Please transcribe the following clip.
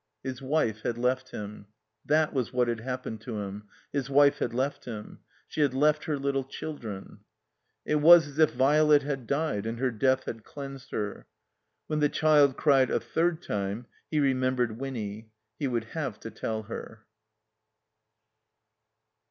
His wife had left him. That was what had hap pened to him. His wife had left him. She had left her little children. It was as if Violet had died and her death had cleansed her. When the child cried a third time he remembered Wixmy. He would have to tell her.